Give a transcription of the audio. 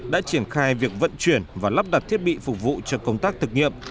đã triển khai việc vận chuyển và lắp đặt thiết bị phục vụ cho công tác thực nghiệm